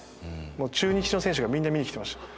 中日の選手がみんな見に来てました。